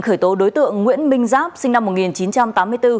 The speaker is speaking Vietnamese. khởi tố đối tượng nguyễn minh giáp sinh năm một nghìn chín trăm tám mươi bốn